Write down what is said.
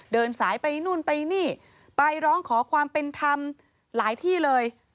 เดินสายไปนู่นไปนี่ไปร้องขอความเป็นธรรมหลายที่เลย